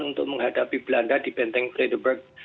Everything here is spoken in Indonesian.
untuk menghadapi belanda di benteng fredeberg